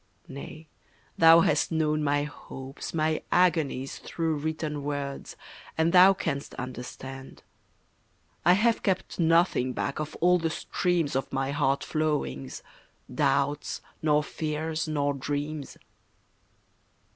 Nay, thou hast known my hopes, my agonies Through written words, and thou canst understand. I have kept nothing back of all the streams Of my heart flowings doubts, nor fears, nor dreams.